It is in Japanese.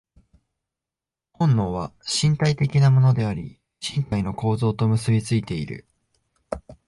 本能は身体的なものであり、身体の構造と結び付いている。